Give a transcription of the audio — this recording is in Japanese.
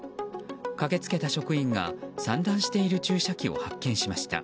駆け付けた職員が散乱している注射器を発見しました。